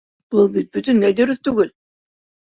Был бит бөтөнләй дөрөҫ түгел.